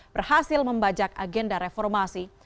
berhasil membajak agenda reformasi